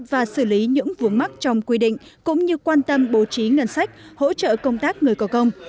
và xử lý những vướng mắt trong quy định cũng như quan tâm bố trí ngân sách hỗ trợ công tác người có công